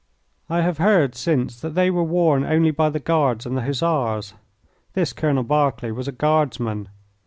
I have heard since that they were worn only by the Guards and the Hussars. This Colonel Berkeley was a guardsman.